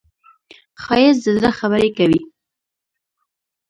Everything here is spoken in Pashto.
ښایست د زړه خبرې کوي